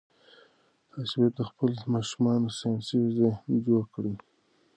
تاسي باید د خپلو ماشومانو ساینسي ذهن جوړ کړئ.